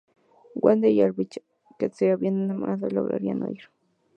Wanda y Archibald, que se habían enamorado, logran huir.